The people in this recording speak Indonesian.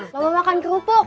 lomba makan kerupuk